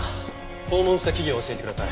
訪問した企業を教えてください。